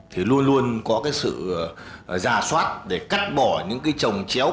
thì luôn luôn có sự giả soát để cắt bỏ những trồng chéo